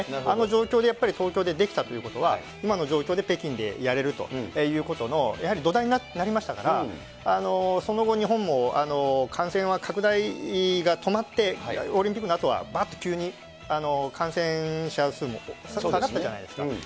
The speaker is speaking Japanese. あの状況でやっぱり東京でできたということは、今の状況で、北京でやれるということの、やはり土台になりましたから、その後、日本も感染は拡大が止まって、オリンピックのあとはばーっと急に感染者数も下がったじゃないですか。